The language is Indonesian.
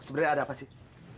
sebenernya ada apa sih